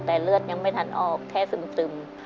แต่เลือดยังไม่ทันออกแค่ซึม